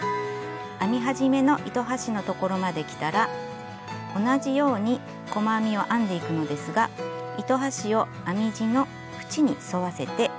編み始めの糸端のところまできたら同じように細編みを編んでいくのですが糸端を編み地のふちに沿わせて編みくるんでいきます。